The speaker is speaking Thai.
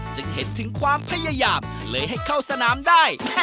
จึงเห็นถึงความพยายามเลยให้เข้าสนามได้